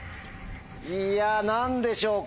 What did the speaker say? いや何でしょう